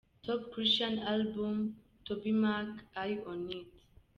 Top Christian Album: tobyMac "Eye On It".